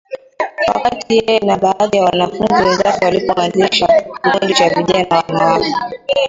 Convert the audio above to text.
wakati yeye na baadhi ya wanafunzi wenzake walipoanzisha kikundi cha Vijana Wanawake